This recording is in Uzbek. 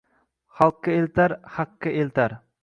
Xalqqa eltar, haqqa eltar